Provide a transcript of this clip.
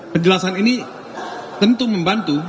penjelasan ini tentu membantu